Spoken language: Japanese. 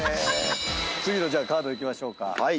次のカードいきましょうか。